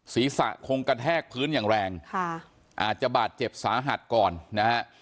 ศีรษะคงกระแทกพื้นอย่างแรงค่ะอาจจะบาดเจ็บสาหัสก่อนนะฮะ